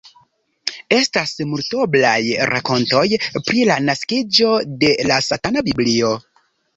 Estas multoblaj rakontoj pri la naskiĝo de "La Satana Biblio.